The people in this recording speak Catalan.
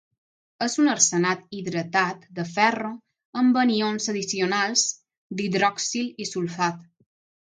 És un arsenat hidratat de ferro amb anions addicionals d'hidroxil i sulfat.